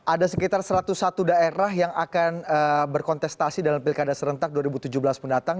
ada sekitar satu ratus satu daerah yang akan berkontestasi dalam pilkada serentak dua ribu tujuh belas mendatang